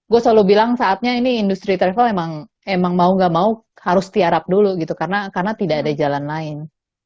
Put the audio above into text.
gue selalu bilang saatnya ini industri travel emang mau gak mau harus tiarap dulu gitu karena tidak ada jalan lain